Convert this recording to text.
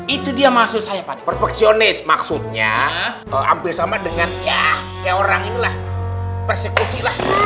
itu dia maksud saya perpeksionis maksudnya hampir sama dengan ya ya orang inilah persekusi